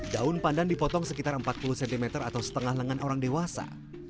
daun pandan dipotong sekitar empat puluh cm atau setengah lengan orang dewasa